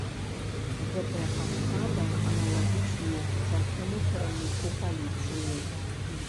Гэтая пасада аналагічная сучаснаму кіраўніку паліцыі.